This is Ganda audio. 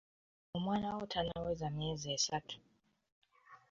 Omwana wo tannaweza myezi esatu.